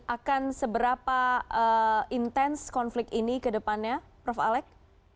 akan seberapa intens konflik ini ke depannya prof alex